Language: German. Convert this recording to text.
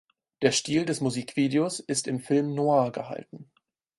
Der Stil des Musikvideos ist im Film noir gehalten.